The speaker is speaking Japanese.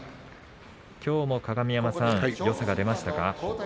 きょうも鏡山さんよさが出ましたか？